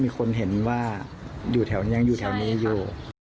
มีคนเห็นว่าอยู่แถวนี้ยังอยู่แถวนี้อยู่